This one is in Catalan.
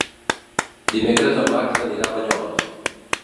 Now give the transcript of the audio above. Dimecres en Max anirà a Banyoles.